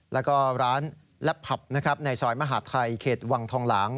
แล้วก็ร้านและผับนะครับในซอยมหาดไทยเขตวังทองหลาง